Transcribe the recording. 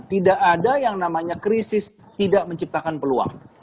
tidak ada yang namanya krisis tidak menciptakan peluang